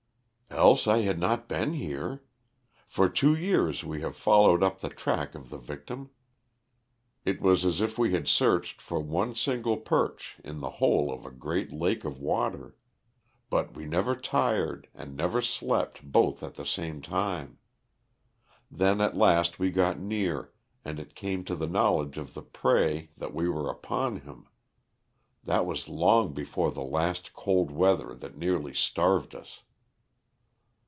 "Else I had not been here. For two years we have followed up the track of the victim. It was as if we had searched for one single perch in the whole of a great lake of water. But we never tired and never slept both at the same time. Then at last we got near, and it came to the knowledge of the prey that we were upon him. That was long before the last cold weather that nearly starved us."